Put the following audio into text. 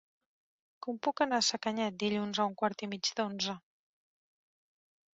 Com puc anar a Sacanyet dilluns a un quart i mig d'onze?